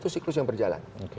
itu siklus yang berjalan